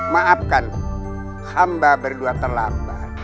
maafkan hamba berdua terlambat